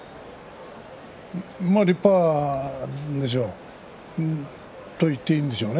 立派でしょうと言っていいでしょうね。